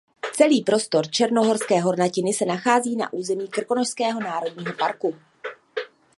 Celý prostor Černohorské hornatiny se nachází na území Krkonošského národního parku.